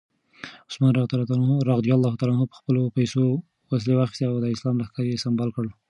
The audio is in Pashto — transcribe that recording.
عثمان رض په خپلو پیسو وسلې واخیستې او د اسلام لښکر یې سمبال کړ.